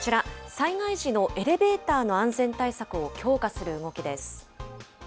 災害時のエレベーターの安全対策を強化する動きです。